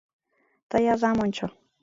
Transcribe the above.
— Тый азам ончо.